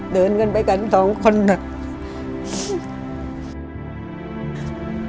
เดินกันไปกันสองคนน่ะ